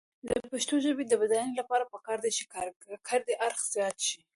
د پښتو ژبې د بډاینې لپاره پکار ده چې کارکردي اړخ زیات شي.